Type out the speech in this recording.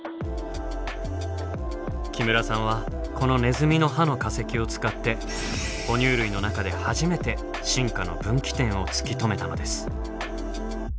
木村さんはこのネズミの歯の化石を使って哺乳類の中で初めて進化の分岐点を突き止めたのです。